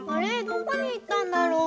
どこにいったんだろう？